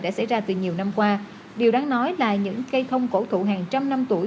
đã xảy ra từ nhiều năm qua điều đáng nói là những cây thông cổ thụ hàng trăm năm tuổi